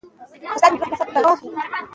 خج د جوړښت له مخه پر څلور ډوله دئ.